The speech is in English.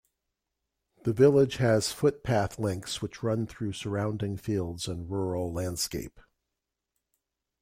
The village has footpath links which run through surrounding fields and rural landscape.